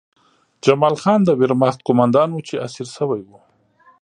جمال خان د ویرماخت قومندان و چې اسیر شوی و